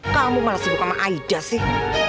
kamu malah sibuk sama aida sih